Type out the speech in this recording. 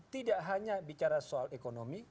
tidak hanya bicara soal ekonomi